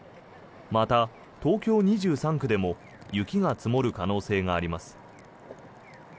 また、東京２３区でも雪が積もる可能性があります。